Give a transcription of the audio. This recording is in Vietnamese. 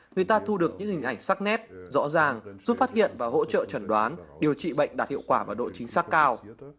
người ta thu được những hình ảnh sắc nét rõ ràng giúp phát hiện và hỗ trợ trần đoán điều trị bệnh đạt hiệu quả và độ chính xác cao